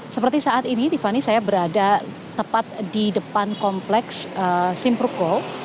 seperti saat ini tiffany saya berada tepat di depan kompleks simprukule